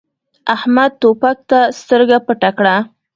احمد توپک ته سترګه پټه کړه.